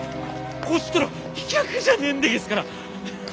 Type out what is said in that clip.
こちとら飛脚じゃねえんでげすから。